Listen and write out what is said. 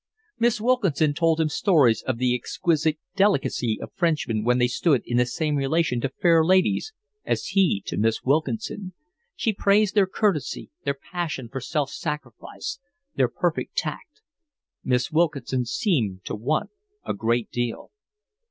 Miss Wilkinson told him stories of the exquisite delicacy of Frenchmen when they stood in the same relation to fair ladies as he to Miss Wilkinson. She praised their courtesy, their passion for self sacrifice, their perfect tact. Miss Wilkinson seemed to want a great deal.